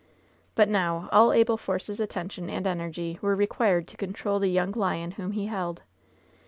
But now all Abel Force's attention and energy were required to control the young lion whom he held.